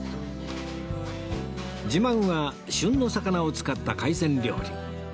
自慢は旬の魚を使った海鮮料理